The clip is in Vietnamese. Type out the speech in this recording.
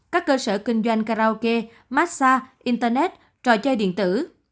các cơ sở kinh doanh karaoke massage internet trò chơi điện tử